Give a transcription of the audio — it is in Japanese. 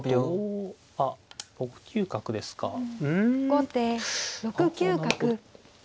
後手６九角。